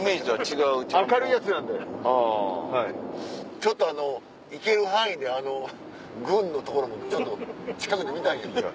ちょっとあの行ける範囲であの軍の所もちょっと近くで見たいやん。